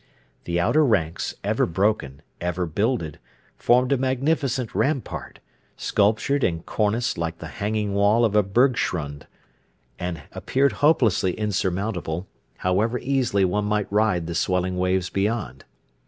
The outer ranks, ever broken, ever builded, formed a magnificent rampart, sculptured and corniced like the hanging wall of a bergschrund, and appeared hopelessly insurmountable, however easily one might ride the swelling waves beyond.